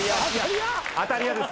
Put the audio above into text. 当たり屋です。